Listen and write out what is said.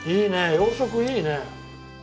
洋食いいね。